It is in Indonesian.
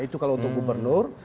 itu kalau untuk gubernur